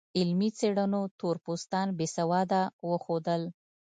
علمي څېړنو تور پوستان بې سواده وښودل.